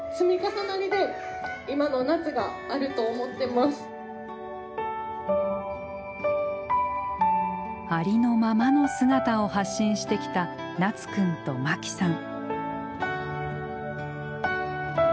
脳に直接毎日ありのままの姿を発信してきたなつくんとまきさん。